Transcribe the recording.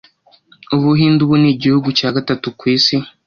Ubuhinde ubu ni igihugu cya gatatu ku isi